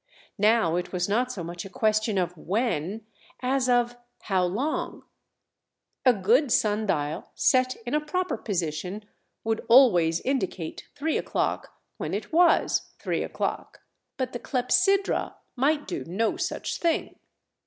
Now it was not so much a question of when as of how long. A good sun dial set in a proper position would always indicate three o'clock when it was three o'clock, but the clepsydra might do no such thing.